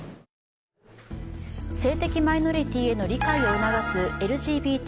性的マイノリティーへの理解を促すＬＧＢＴ